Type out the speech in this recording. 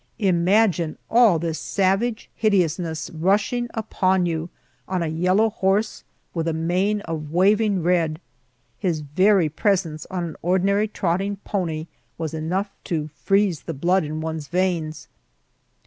Imagine all this savage hideousness rushing upon you on a yellow horse with a mane of waving red! His very presence on an ordinary trotting pony was enough to freeze the blood in one's veins.